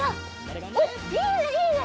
おっいいねいいね！